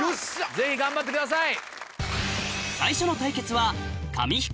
ぜひ頑張ってください。